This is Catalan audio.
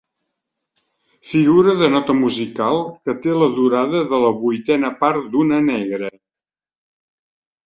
Figura de nota musical que té la durada de la vuitena part d'una negra.